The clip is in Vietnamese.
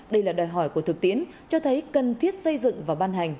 đây là đòi hỏi của thực tiễn cho thấy cần thiết xây dựng và ban hành